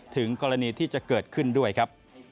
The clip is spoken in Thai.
ถึงกรณีที่จะเกิดขึ้นด้วยครับ